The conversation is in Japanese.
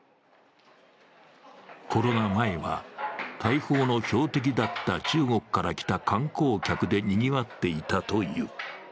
コロナ前は大砲の標的だった中国から来た観光客でにぎわってたという。